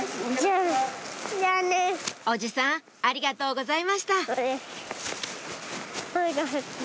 おじさんありがとうございましたあめがふって。